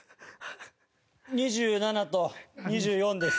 ２７と２４です。